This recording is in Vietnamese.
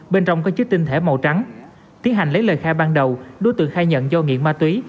bên trong có chứa tinh thể màu trắng tiến hành lấy lời khai ban đầu đối tượng khai nhận do nghiện ma túy